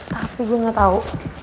tapi gue gak tau